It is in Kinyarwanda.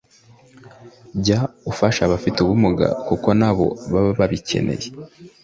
jya ufasha abafite ubumuga kuko nabo baba babikeneye